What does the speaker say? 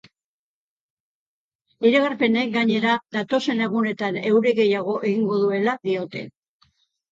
Iragarpenek, gainera, datozen egunetan euri gehiago egingo duela diote.